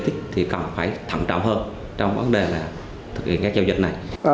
lý tích thì cần phải thẳng trọng hơn trong vấn đề là thực hiện các giao dịch này